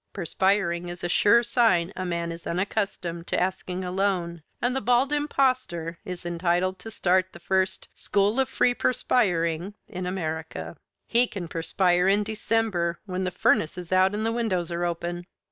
Perspiring is a sure sign a man is unaccustomed to asking a loan, and the Bald Impostor is entitled to start the first School of Free Perspiring in America. He can perspire in December, when the furnace is out and the windows are open.